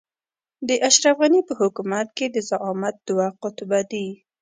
د اشرف غني په حکومت کې د زعامت دوه قطبه دي.